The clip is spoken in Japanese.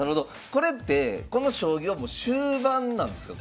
これってこの将棋はもう終盤なんですか？